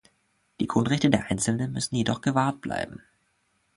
Die Grundrechte der Einzelnen müssen jedoch gewahrt bleiben.